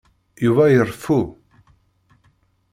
Yuba ireffu.